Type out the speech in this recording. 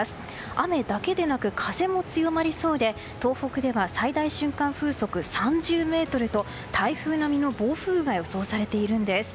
雨だけでなく風も強まりそうで東北では最大瞬間風速３０メートルと台風並みの暴風が予想されているんです。